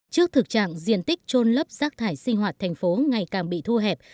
trước thực trạng diện tích trôn lấp rác thải sinh hoạt thành phố ngày càng bị thu hẹp